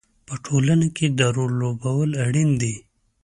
په ټولنه کې د رول لوبول اړین دي.